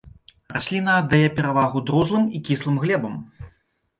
Расліна аддае перавагу друзлым і кіслым глебам.